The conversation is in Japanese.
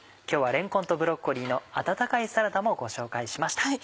今日はれんこんとブロッコリーの温かいサラダもご紹介しました。